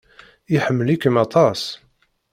Iḥemmel-ikem aṭas.